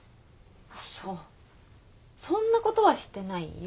そっそんなことはしてないよ。